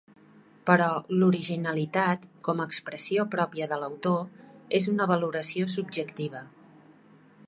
Però l'originalitat, com a expressió pròpia de l'autor, és una valoració subjectiva.